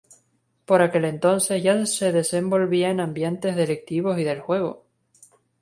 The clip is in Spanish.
Por aquel entonces ya se desenvolvía en ambientes delictivos y del juego.